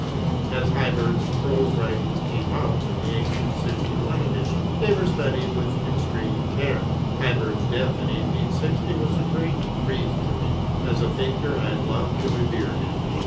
As Heiberg's Prose Writings came out, in the 1861 edition, they were studied with extreme care. Heiberg's death in i860 was a great grief to me ; as a thinker I had loved and revered him.